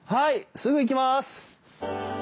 すぐ行きます！